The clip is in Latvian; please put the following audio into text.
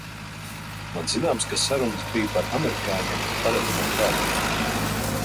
Man zināms, ka sarunas bij par amerikāņiem un paredzamo karu!